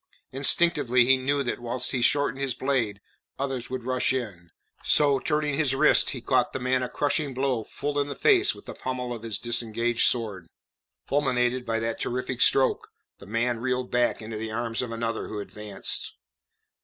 Instinctively he knew that whilst he shortened his blade, others would rush in; so, turning his wrist, he caught the man a crushing blow full in the face with the pommel of his disengaged sword. Fulminated by that terrific stroke, the man reeled back into the arms of another who advanced.